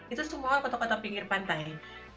itu semua kota kota pinggir pantai